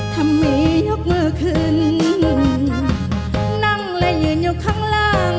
ทำไมยกมือขึ้นนั่งและยืนอยู่ข้างล่าง